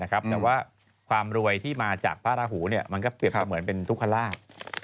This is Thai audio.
แต่ว่าความรวยที่มาจากภาระหูเนี่ยมันก็เปรียบเหมือนเป็นทุศคลาศ